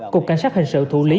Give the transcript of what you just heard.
cục cảnh sát hình sự thủ lý